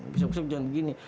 bisa bisa jangan begini